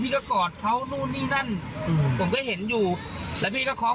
ก็กอดเขานู่นนี่นั่นอืมผมก็เห็นอยู่แล้วพี่ก็คล้อง